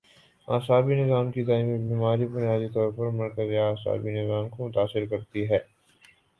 اعصابی نظام کی دائمی بیماری بنیادی طور پر مرکزی اعصابی نظام کو متاثر کرتی ہے